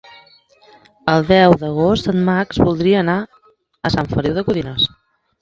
El deu d'agost en Max voldria anar a Sant Feliu de Codines.